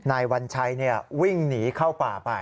นายวัญชัยวิ่งหนีเข้าป่าไป